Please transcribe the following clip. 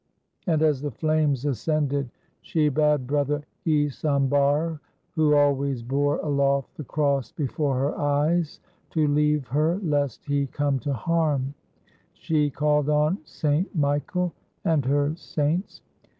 and as the flames as cended, she bade Brother Isambard, who always bore aloft the Cross before her eyes, to leave her lest he come to harm. She called on St. Michael and her saints.